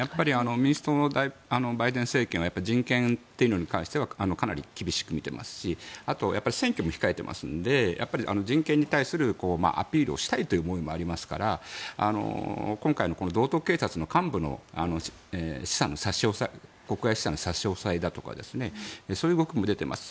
民主党のバイデン政権はやっぱり人権というのに関してはかなり厳しく見ていますしあと、選挙も控えていますので人権に対するアピールをしたいという思いもありますから今回の道徳警察の幹部の国外資産の差し押さえだとかそういう動きも出ています。